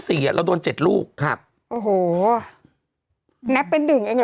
โทษทีน้องโทษทีน้อง